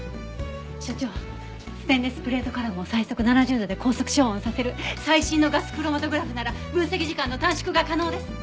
所長ステンレスプレートカラムを最速７０度で高速昇温させる最新のガスクロマトグラフなら分析時間の短縮が可能です。